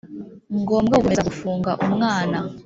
Ngombwa gukomeza gufunga umwana